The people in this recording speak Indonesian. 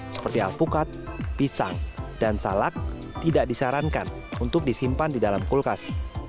seperti alpukat pisang dan salak tidak disarankan untuk disimpan di dalam kulkas